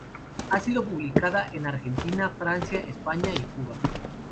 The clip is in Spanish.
Ha sido publicada en Argentina, Francia, España y Cuba.